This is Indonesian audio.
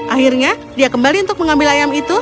akhirnya dia kembali untuk mengambil ayam itu